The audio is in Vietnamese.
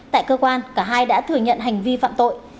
tại cơ quan cả hai đã thừa nhận hành vi phạm tội